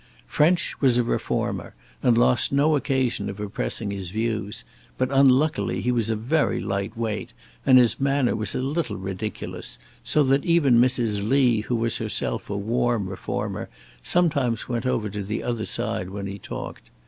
French was a reformer, and lost no occasion of impressing his views; but unluckily he was a very light weight, and his manner was a little ridiculous, so that even Mrs. Lee, who was herself a warm reformer, sometimes went over to the other side when he talked.